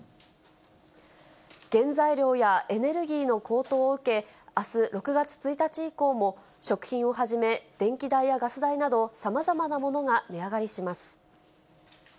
原材料やエネルギーの高騰を受け、あす６月１日以降も、食品をはじめ、電気代やガス代など、さまざまなものが値上がりします。